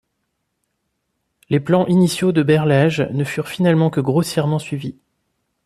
Les plans initiaux de Berlage ne furent finalement que grossièrement suivis.